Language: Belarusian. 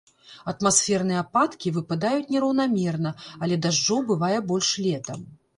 Атмасферныя ападкі выпадаюць нераўнамерна, але дажджоў бывае больш летам.